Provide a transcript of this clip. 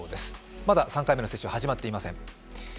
まだ３回目の接種は始まっていません。